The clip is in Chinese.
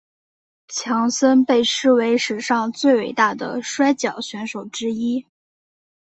强森被视为史上最伟大的摔角选手之一。